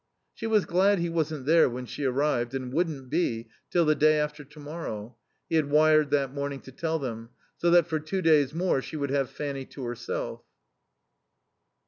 She was glad he wasn't there when she arrived and wouldn't be till the day after to morrow (he had wired that morning to tell them); so that for two days more she would have Fanny to herself.